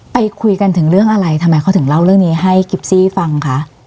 ไปคุยกันถึงเรื่องอะไรทำไมเขาถึงเล่าเรื่องนี้ให้กิฟซี่ฟังคะ